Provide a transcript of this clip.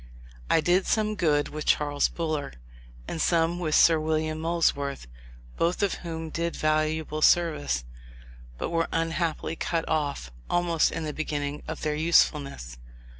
I did some good with Charles Buller, and some with Sir William Molesworth; both of whom did valuable service, but were unhappily cut off almost in the beginning of their usefulness.